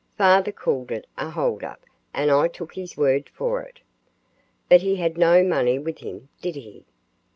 "Father called it a hold up and I took his word for it." "But he had no money with him, did he?"